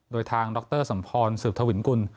โดยทางดรสมพรสืบทวินกุล